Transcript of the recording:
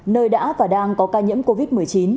nơi đã và đang có ca nhiễm covid một mươi chín